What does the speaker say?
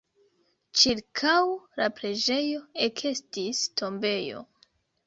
Ĉirkaŭ la preĝejo ekestis tombejo.